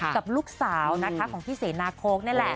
กับลูกสาวนะคะของพี่เสนาโค้กนี่แหละ